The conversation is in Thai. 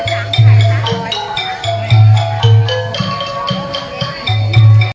สวัสดีทุกคน